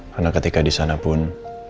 karena ketika di sana pun